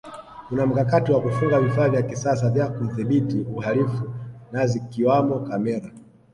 kuna mkakati wa kufunga vifaa vya kisasa vya kudhibiti uhalifu na zikiwamo kamera